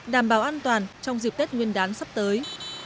đảm bảo an toàn trong dịp tết nguyên đán sắp tới